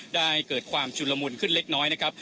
เกิดความชุนละมุนขึ้นเล็กน้อยนะครับ